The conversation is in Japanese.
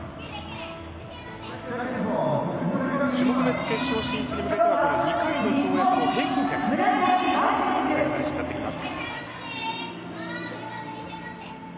種目別決勝進出に向けてはこの２回の平均点が大事になってきます。